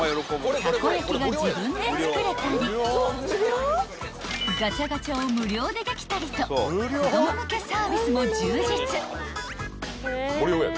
［たこ焼きが自分で作れたりガチャガチャを無料でできたりと子供向けサービスも充実］